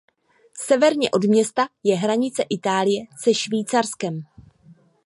Severně od města je hranice Itálie se Švýcarskem.